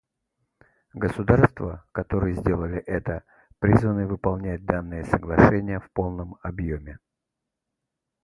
Государства, которые сделали это, призваны выполнять данные соглашения в полном объеме.